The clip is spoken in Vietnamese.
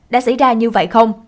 đã xảy ra như vậy không